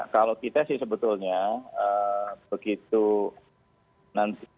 kalau kita sih sebetulnya begitu nanti